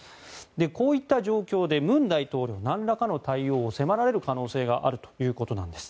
こういった状況で文大統領なんらかの対応を迫られる可能性があるということです。